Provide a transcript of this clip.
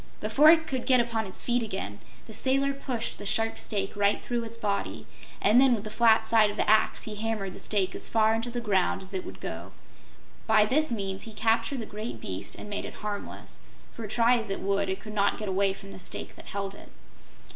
Before it could get upon its feet again the sailor pushed the sharp stake right through its body and then with the flat side of the axe he hammered the stake as far into the ground as it would go. By this means he captured the great beast and made it harmless, for try as it would, it could not get away from the stake that held it.